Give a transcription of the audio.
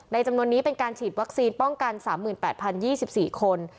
ในจำนวนนี้เป็นการฉีดวัคซีนป้องกันสามหมื่นแปดพันยี่สิบสี่คน